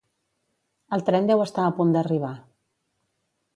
El tren deu estar a punt d'arribar